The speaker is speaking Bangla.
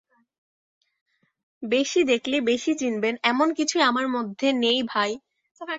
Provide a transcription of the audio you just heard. বেশি দেখলে বেশি চিনবেন, এমন কিছুই আমার মধ্যে নেই ভাই।